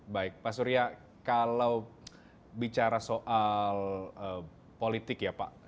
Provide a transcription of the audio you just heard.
baik pak surya kalau bicara soal politik ya pak